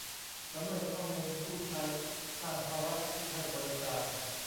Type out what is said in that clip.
ละเมิดข้อมูลผู้ใช้ สร้างภาระผู้ให้บริการ